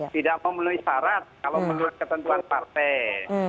tidak memenuhi syarat kalau menurut ketentuan partai